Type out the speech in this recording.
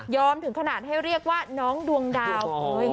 ถึงขนาดให้เรียกว่าน้องดวงดาว